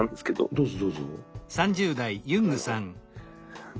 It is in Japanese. どうぞどうぞ。